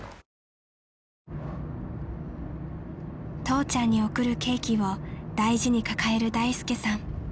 ［父ちゃんに贈るケーキを大事に抱える大介さん］